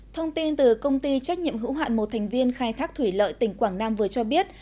thông tin từ công ty trách nhiệm hữu hạn một thành viên khai thác thủy lợi tỉnh quảng nam vừa cho biết